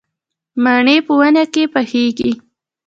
مڼې په ونې کې پخېږي